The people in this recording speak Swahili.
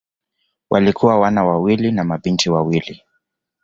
Walikuwa wana wawili na mabinti wawili.